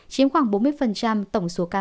chiếm khoảng bốn mươi tổng số ca